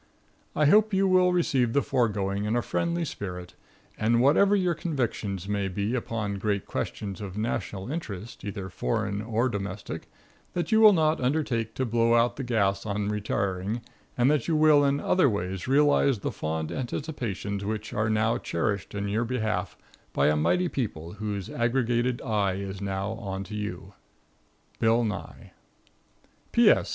I hope you will receive the foregoing in a friendly spirit, and whatever your convictions may be upon great questions of national interest, either foreign or domestic, that you will not undertake to blow out the gas on retiring, and that you will in other ways realize the fond anticipations which are now cherished in your behalf by a mighty people whose aggregated eye is now on to you. Bill Nye. P.S.